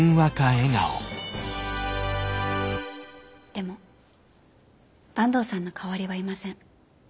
でも坂東さんの代わりはいません。